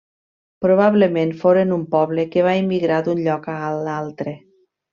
Probablement foren un poble que va emigrar d'un lloc a l'altre.